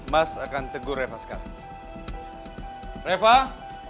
mas akan tegur eva sekarang